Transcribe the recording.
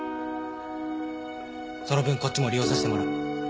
その分こっちも利用させてもらう。